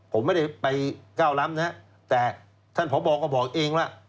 ผมไม่ได้ไปก้าวล้ำนะแต่ท่านพบก็บอกเองว่า